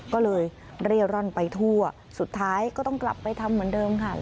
ก็เลยเร่ร่อนไปทั่วสุดท้ายก็ต้องกลับไปทำเหมือนเดิมค่ะ